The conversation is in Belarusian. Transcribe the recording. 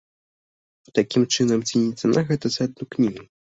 Такім чынам, ці не цана гэта за адну кнігу?